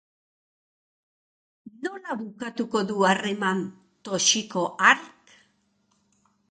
Nola bukatuko du harreman toxiko hark?